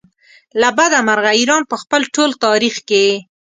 له بده مرغه ایران په خپل ټول تاریخ کې.